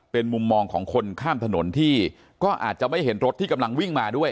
เป็นมุมมองของคนข้ามถนนที่ก็อาจจะไม่เห็นรถที่กำลังวิ่งมาด้วย